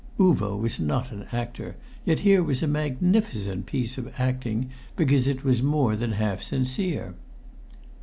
Uvo was not an actor, yet here was a magnificent piece of acting, because it was more than half sincere.